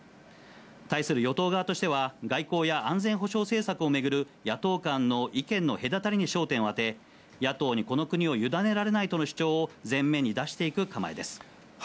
対する与党側としては、外交や安全保障政策を巡る野党間の意見の隔たりに焦点を当て、野党にこの国を委ねられないとの主張を前面に出していく構えです。